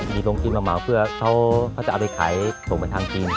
มีโรงจีนเหมาเพื่อเขาจะเอาไปขายส่งไปทางจีน